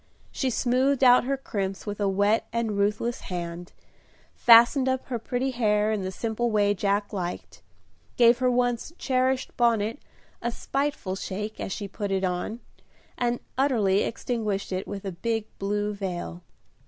She smoothed out her crimps with a wet and ruthless hand; fastened up her pretty hair in the simple way Jack liked; gave her once cherished bonnet a spiteful shake, as she put it on, and utterly extinguished it with a big blue veil.